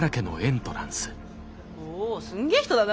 おおすんげえ人だな。